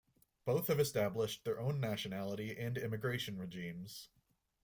Both have established their own nationality and immigration regimes.